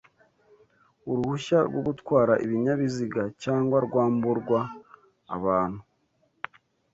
uruhushya rwo gutwara ibinyabiziga cyangwa rwamburwa abantu